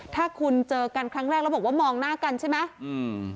ถ้าคุณเจอกันครั้งแรกแล้วบอกว่ามองหน้ากันใช่ไหมอืม